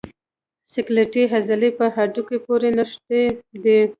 سکلیټي عضلې په هډوکو پورې نښتي دي.